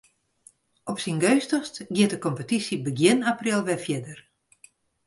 Op syn geunstichst giet de kompetysje begjin april wer fierder.